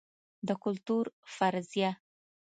د کلتور فرضیه